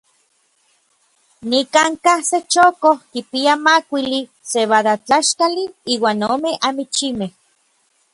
Nikankaj se chokoj kipia makuili sebadajtlaxkali iuan ome amichimej.